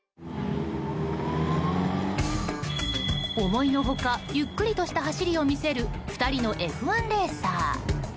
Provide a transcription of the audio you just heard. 思いの外ゆっくりとした走りを見せる２人のＦ１レーサー。